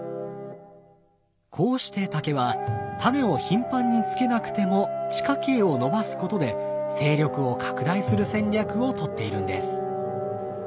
こうして竹はタネを頻繁につけなくても地下茎を伸ばすことで勢力を拡大する戦略を取っているんです。